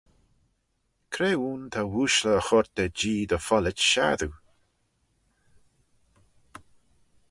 Cre ayn ta ooashley y choyrt da Jee dy follit shassoo?